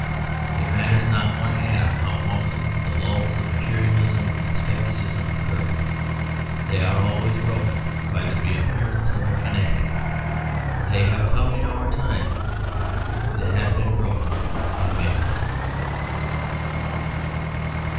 It matters not one atom how often the lulls of materialism and scepticism occur; they are always broken by the reappearance of a fanatic. They have come in our time: they have been broken by Maeterlinck.